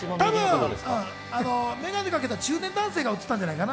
眼鏡をかけた中年男性が映ったんじゃないかな。